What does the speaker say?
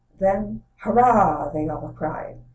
Then, "Hurrah," they all cried.